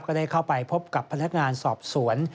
ก็ได้เข้าไปพบกับพนักงานสอบสวน